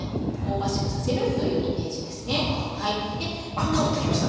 あ香ってきました